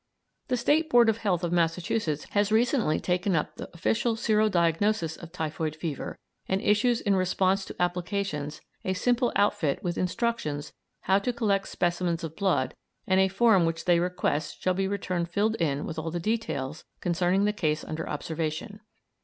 The State Board of Health of Massachusetts has recently taken up the official sero diagnosis of typhoid fever, and issues in response to applications a simple outfit with instructions how to collect specimens of blood and a form which they request shall be returned filled in with all the details concerning the case under observation.